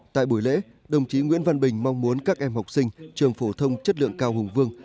tại buổi lễ đồng chí nguyễn văn bình mong muốn các em học sinh trường phổ thông chất lượng cao hùng vương